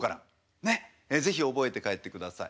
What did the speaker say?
是非覚えて帰ってください。